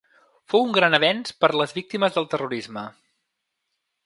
Fou un gran avenç per a les víctimes del terrorisme.